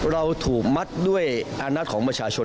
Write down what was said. เราถูกมัดด้วยอาณะของประชาชน